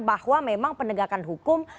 bahwa memang penegakan hukum